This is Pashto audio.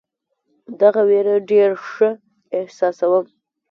دغه وېره ډېر ښه احساسوم.